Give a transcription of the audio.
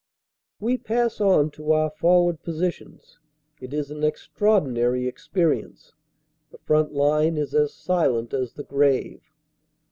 We pass on to our forward positions. It is an extraordin ary experience. The front line is as silent as the grave.